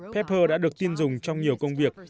pepper đã được tin dùng trong nhiều công việc